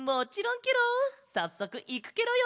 さっそくいくケロよ！